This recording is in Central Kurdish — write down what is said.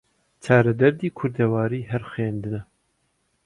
چارە دەردی کوردەواری هەر خوێندنە